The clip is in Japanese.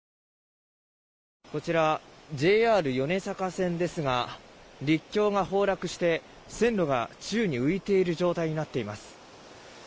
こちら、ＪＲ米坂線ですが陸橋が崩落して線路が宙に浮いている状態になっています。